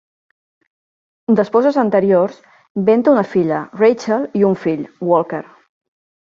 D'esposes anteriors, Ben té una filla, Rachel, i un fill, Walker.